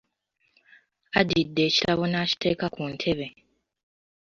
Addidde ekitabo n’akiteeka ku ntebe.